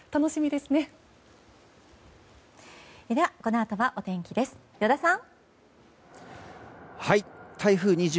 ではこのあとはお天気です依田さん。